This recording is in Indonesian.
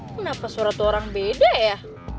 kenapa suara tuh orang beda ya